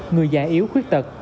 người già yếu khuyết tật